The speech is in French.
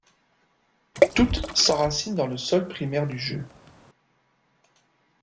Toutes s'enracinent dans le sol primaire du jeu.